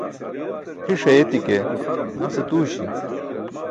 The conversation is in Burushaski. Phi̇ṣ ayeti̇ ke nas atuuśi̇.